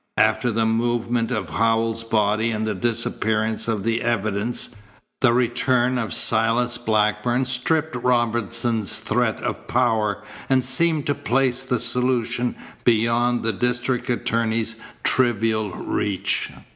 After the movement of Howells's body and the disappearance of the evidence, the return of Silas Blackburn stripped Robinson's threats of power and seemed to place the solution beyond the district attorney's trivial reach.